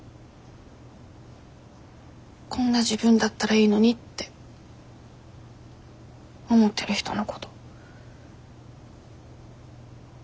「こんな自分だったらいいのに」って思ってる人のこと。